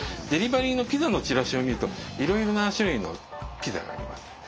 デリバリーのピザのチラシを見るといろいろな種類のピザがあります。